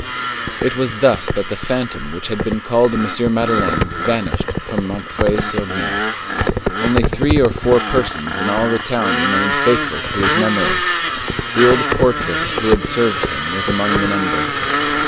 It was thus that the phantom which had been called M. Madeleine vanished from M. sur M. Only three or four persons in all the town remained faithful to his memory. The old portress who had served him was among the number.